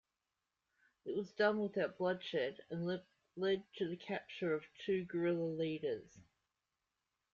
It was done without bloodshed and led to the capture of two guerilla leaders.